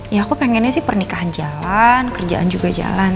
ya aku pengennya sih pernikahan jalan kerjaan juga jalan